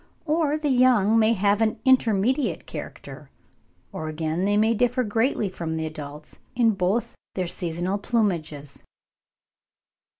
Or the young may have an intermediate character; or again they may differ greatly from the adults in both their seasonal plumages.